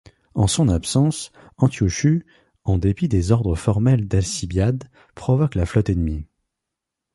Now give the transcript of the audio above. En son absence, Antiochus, en dépit des ordres formels d'Alcibiade, provoque la flotte ennemie.